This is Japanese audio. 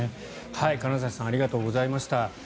金指さんありがとうございました。